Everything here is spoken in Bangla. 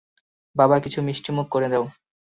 বাবা, কিছু মিষ্টিমুখ করে যাও।